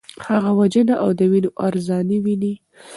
هغه وژنه او د وینو ارزاني ویني.